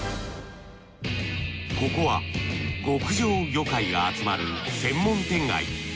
ここは極上魚介が集まる専門店街。